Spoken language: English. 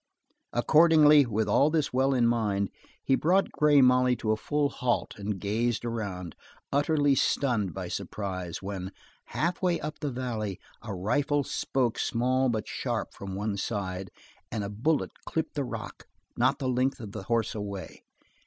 Accordingly, with all this well in mind, he brought Grey Molly to a full halt and gazed around, utterly stunned by surprise, when, half way up the valley, a rifle spoke small but sharp from one side, and a bullet clipped the rocks not the length of the horse away.